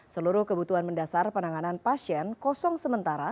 seluruh kebutuhan mendasar penanganan pasien kosong sementara